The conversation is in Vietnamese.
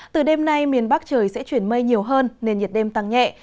từ đêm nay miền bắc trời sẽ chuyển mây nhiều hơn nên nhiệt đêm tăng nhẹ